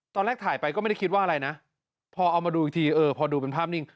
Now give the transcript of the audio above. ตอนแรกถ่ายไปก็ไม่ได้คิดว่าอะไรนะพอเอามาดูอีกทีเออพอดูเป็นภาพนิ่ง